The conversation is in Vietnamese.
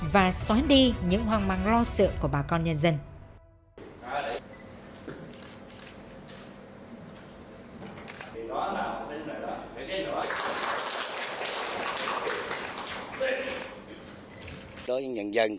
và xóa đi những hoang mang lo sợ của bà con nhân dân